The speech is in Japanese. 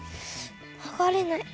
はがれない。